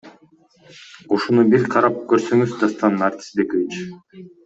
Ушуну бир карап көрсөңүз Дастан Артисбекович.